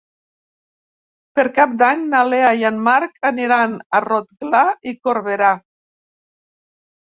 Per Cap d'Any na Lea i en Marc aniran a Rotglà i Corberà.